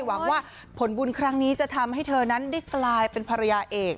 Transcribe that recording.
หวังว่าผลบุญครั้งนี้จะทำให้เธอนั้นได้กลายเป็นภรรยาเอก